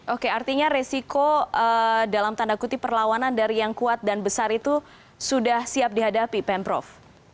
oke artinya resiko dalam tanda kutip perlawanan dari yang kuat dan besar itu sudah siap dihadapi pemprov